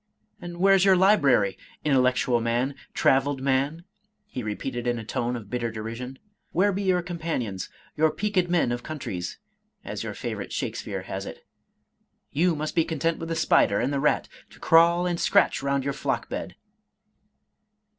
And where's your library, — intellectual man, — ^traveled man?" he re peated in a tone of bitter derision ;" where be your com panions, your peaked men of countries, as your favorite Shakespeare has it ? You must be content with the spider and the rat, to crawl and scratch round your flock bed